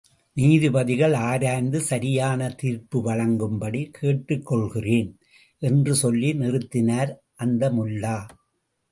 நீதிபதிகள் ஆராய்ந்து சரியான தீர்ப்பு வழங்கும்படி கேட்டுக்கொள்கிறேன் என்று சொல்லி நிறுத்தினார் அந்த முல்லா.